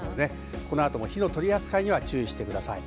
この後も火の取り扱いに注意してください。